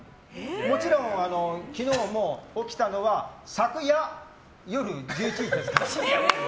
もちろん昨日も起きたのは昨夜、夜１１時です。